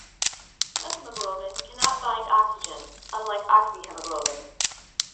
Methemoglobin cannot bind oxygen, unlike oxyhemoglobin.